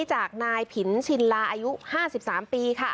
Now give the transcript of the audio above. จากนายผินชินลาอายุ๕๓ปี